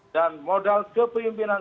dan modal ke pemimpinan